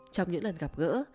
trong những lần gặp gỡ